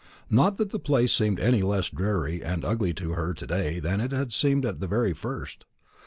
Not that the place seemed any less dreary and ugly to her to day than it had seemed at the very first.